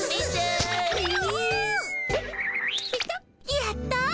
やった！